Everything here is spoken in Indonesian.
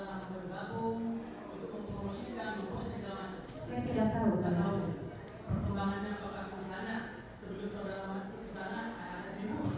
apakah sudah memang suatu kewajiban dari saksama untuk menyapa musuh